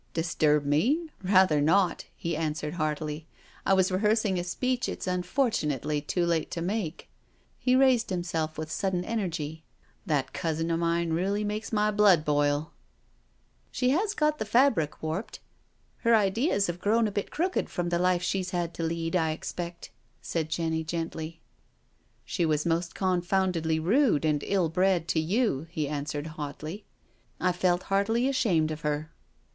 "Disturb me? Rather not I" he answered heartily. " I was rehearsing a speech it's unfortunately too late to make." He raised himself with sudden energy. " That cousin of mine really makes my blood boil. ..."" She has got the fabric warped— her ideas have grown a bit crooked from the life she's had to lead, I expect," said Jenny gently, " She was most confoundedly rude and ill bred to you," he answered hotly. " I felt heartily ashamed of her."